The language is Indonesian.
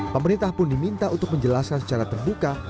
pemerintah pun diminta untuk menjelaskan secara terbuka